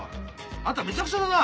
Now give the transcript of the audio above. あんためちゃくちゃだな。